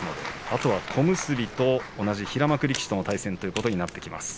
あとは小結と同じ平幕力士の対戦となります。